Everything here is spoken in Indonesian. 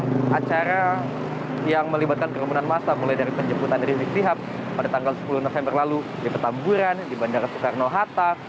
ada acara yang melibatkan kerumunan masa mulai dari penjemputan dari rizik sihab pada tanggal sepuluh november lalu di petamburan di bandara soekarno hatta